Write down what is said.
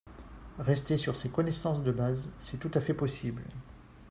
Rester sur ces connaissances de base, c'est tout à fait possible